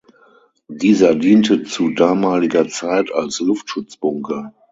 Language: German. Dieser diente zu damaliger Zeit als Luftschutzbunker.